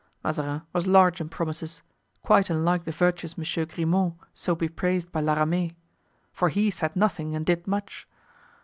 Mazarin was large in promises,—quite unlike the virtuous Monsieur Grimaud so bepraised by La Ramee; for he said nothing and did much.